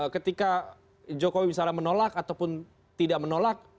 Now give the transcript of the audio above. ketika jokowi misalnya menolak ataupun tidak menolak